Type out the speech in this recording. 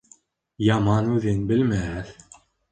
Яман үҙен белмәҫ